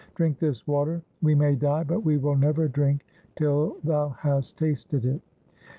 Drink this water. We may die, but we will never drink till thou hast tasted it.'